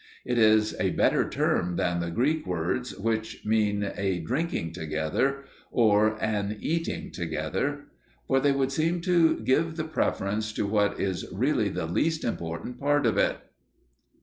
It is a better term than the Greek words which mean "a drinking together," or, "an eating together." For they would seem to give the preference to what is really the least important part of it.